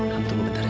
kamu tunggu bentar ya